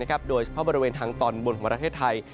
ก็เพราะบริเวณทางตอนบนของรัฐเทศไทย